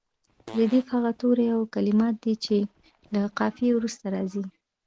ردیف هغه توري او کلمات دي چې له قافیې وروسته راځي.